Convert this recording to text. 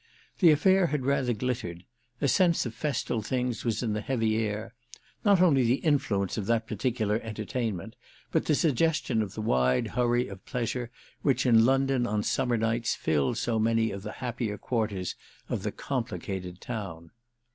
The affair had rather glittered; a sense of festal things was in the heavy air: not only the influence of that particular entertainment, but the suggestion of the wide hurry of pleasure which in London on summer nights fills so many of the happier quarters of the complicated town.